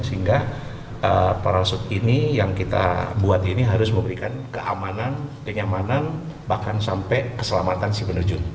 sehingga parasut ini yang kita buat ini harus memberikan keamanan kenyamanan bahkan sampai keselamatan si penerjun